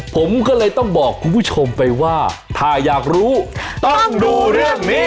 ผมก็เลยต้องบอกคุณผู้ชมไปว่าถ้าอยากรู้ต้องดูเรื่องนี้